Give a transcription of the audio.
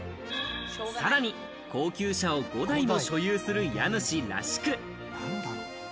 さらに高級車を５台も所有する家主らしく。